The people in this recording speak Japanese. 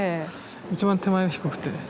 一番手前が低くて。